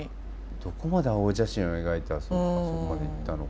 どこまで青写真を描いたらそこまでいったのか。